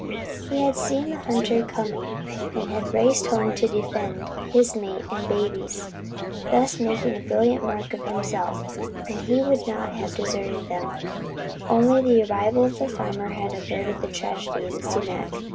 He had seen the hunter coming, and had raced home to defend his mate and babies, thus making a brilliant mark of himself; and as he would not have deserted them, only the arrival of the farmer had averted a tragedy in the sumac.